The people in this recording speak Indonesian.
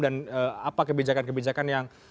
dan apa kebijakan kebijakan yang